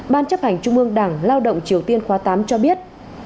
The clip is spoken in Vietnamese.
ban chấp hành trung ương đảng lao động triều tiên khóa tám cho biết